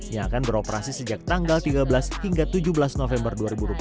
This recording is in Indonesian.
yang akan beroperasi sejak tanggal tiga belas hingga tujuh belas november dua ribu dua puluh